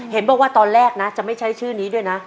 เห็นบอกว่าตอนแรกนะจะไม่ใช้ชื่อนี้ด้วยนะ